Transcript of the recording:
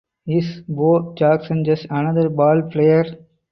Is Bo Jackson just another ball player?